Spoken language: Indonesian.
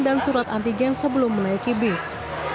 dan surat antigen sebelum menaiki bis